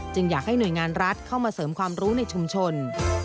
อยากให้หน่วยงานรัฐเข้ามาเสริมความรู้ในชุมชน